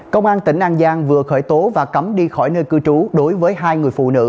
công an tỉnh an giang vừa khởi tố và cấm đi khỏi nơi cư trú đối với hai người phụ nữ